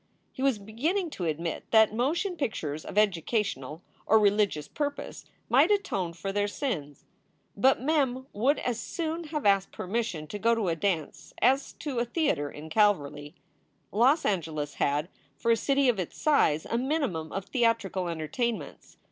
He was beginning to admit that motion pictures of educational or religious purpose might atone for their sins. But Mem would as soon have asked permission to go to a dance as to a theater in Calverly. Los Angeles had, for a city of its size, a minimum of theatrical entertainments.